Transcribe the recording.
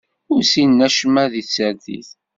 Ur ssinen acemma di tsertit.